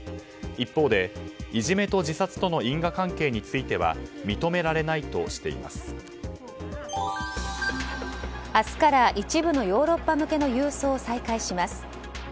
一方で、いじめと自殺との因果関係については明日から一部のヨーロッパ向けの郵送を再開します。